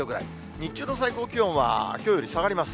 日中の最高気温はきょうより下がります。